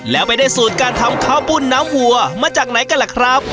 แล้วไปได้สูตรการทำข้าวปุ้นน้ำวัวมาจากไหนกันล่ะครับ